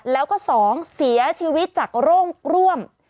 แล้วก็๒เสียชีวิตจากโรคร่วม